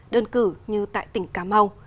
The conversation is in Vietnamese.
đơn cử như tại tỉnh cà mau